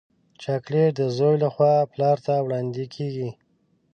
چاکلېټ د زوی له خوا پلار ته وړاندیزېږي.